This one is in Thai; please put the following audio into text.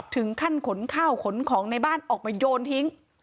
ถึงขั้นขนข้าวขนของในบ้านออกมาโยนทิ้ง